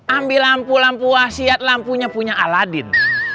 ambil lampu lampu asiat lampunya punya aladdin